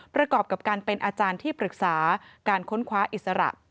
ประกอบกับการเป็นอาจารย์ที่ปรึกษาการค้นคว้าอิสระ